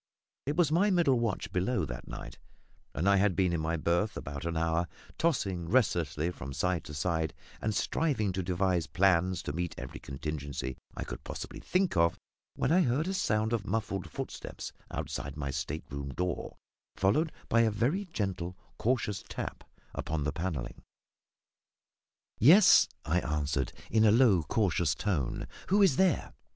It was my middle watch below that night, and I had been in my berth about an hour, tossing restlessly from side to side, and striving to devise plans to meet every contingency I could possibly think of, when I heard a sound of muffled footsteps outside my state room door, followed by a very gentle cautious tap upon the panelling. "Yes," I answered, in a low cautious tone; "who is there?"